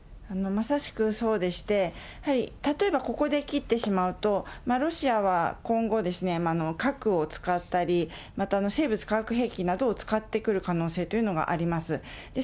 まさしくそうでして、やはり、例えばここで切ってしまうと、ロシアは今後、核を使ったり、また生物化学兵器などを使ってくる可能性というのもあります。